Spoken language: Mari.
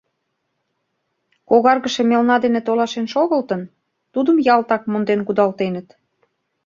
Когаргыше мелна дене толашен шогылтын, тудым ялтак монден кудалтеныт.